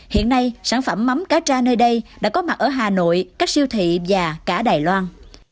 hiện nay sản phẩm mắm cá tra nơi đây đã có mặt ở hà nội các siêu thị và cả đài loan